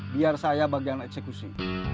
biar saya bagian eksekusi